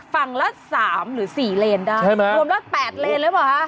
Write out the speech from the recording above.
ฝั่งละ๓หรือ๔เลนด้านรวมละ๘เลนเลยเหรอคะ